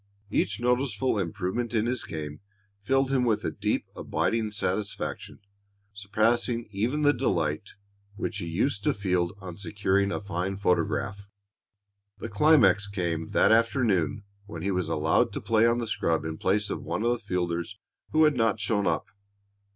Each noticeable improvement in his game filled him with a deep, abiding satisfaction, surpassing even the delight which he used to feel on securing a fine photograph. The climax came that afternoon when he was allowed to play on the scrub in place of one of the fielders who had not shown up.